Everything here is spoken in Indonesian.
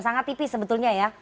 sangat tipis sebetulnya ya